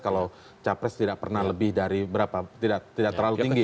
kalau capres tidak pernah lebih dari berapa tidak terlalu tinggi